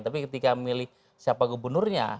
tapi ketika memilih siapa gubernurnya